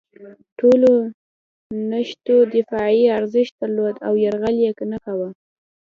ټولو نښتو دفاعي ارزښت درلود او یرغل یې نه کاوه.